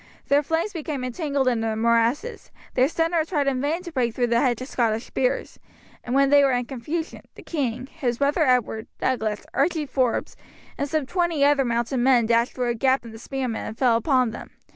Their flanks became entangled in the morasses; their centre tried in vain to break through the hedge of Scottish spears, and when they were in confusion, the king, his brother Edward, Douglas, Archie Forbes, and some twenty other mounted men dashed through a gap in the spearmen and fell upon them.